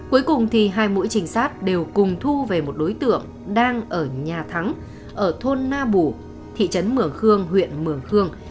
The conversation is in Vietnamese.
cuối cùng thì hai mũi trình sát đều cùng thu về một đối tượng đang ở nhà thắng ở thôn na bù thị trấn mường khương huyện mường khương